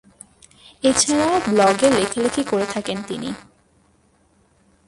এছাড়াও ব্লগে লেখালেখি করে থাকেন তিনি।